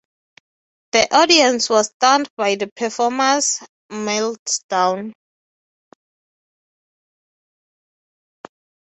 The audience was stunned by the performer's meltdown.